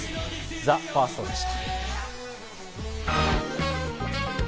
ＴＨＥＦＩＲＳＴでした。